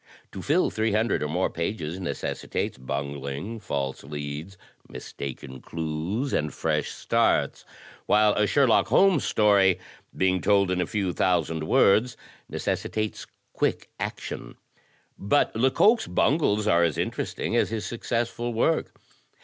To fill three hundred or more pages necessitates bungling, false leads, mistaken clues and fresh starts. While a Sherlock Holmes story, being told in a few thousand words, neces sitates quick action. But Lecoq's bungles are as interesting as his successful work.